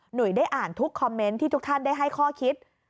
ได้อ่านทุกคอมเมนต์ที่ทุกท่านได้ให้ข้อคิด